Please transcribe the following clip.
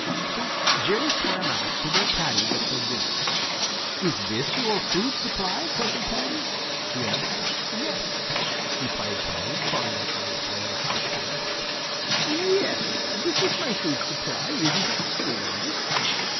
So Jerry swam out to where Paddy was so busy. "Is this your food supply, Cousin Paddy?" he asked. "Yes," replied Paddy, crawling up on the side of his house to rest. "Yes, this is my food supply. Isn't it splendid?"